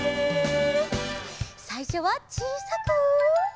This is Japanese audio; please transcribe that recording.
さいしょはちいさく。